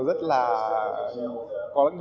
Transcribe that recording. rất là có lãnh đạo